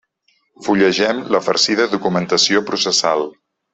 Fullegem la farcida documentació processal.